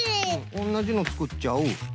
おんなじのつくっちゃう。